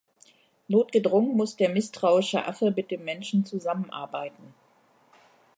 Notgedrungen muss der misstrauische Affe mit dem Menschen zusammenarbeiten.